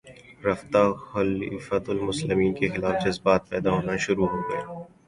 رفتہ خلیفتہ المسلمین کے خلاف جذبات پیدا ہونے شروع ہوگئے